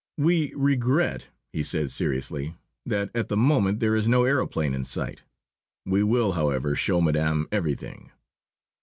"We regret," he said seriously, "that at the moment there is no aëroplane in sight. We will, however, show Madame everything."